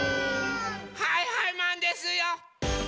はいはいマンですよ！